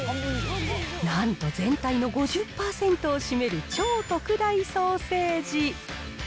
なんと全体の５０％を占める超特大ソーセージ。